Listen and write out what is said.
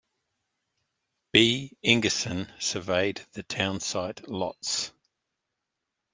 B. Ingerson surveyed the townsite lots.